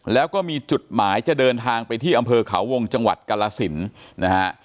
แล้วก็มีจุดหมายจะเดินทางไปที่อำเภอเขาวงจังหวัดกรสินนะฮะ